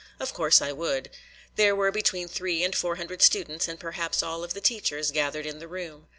Of course I would. There were between three and four hundred students and perhaps all of the teachers gathered in the room.